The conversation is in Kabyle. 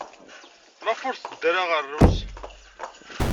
Maɣef ur teddi ara ɣer Rrus?